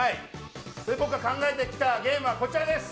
僕が考えてきたゲームはこちらです。